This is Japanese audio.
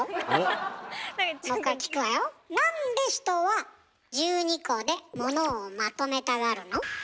なんで人は１２個で物をまとめたがるの？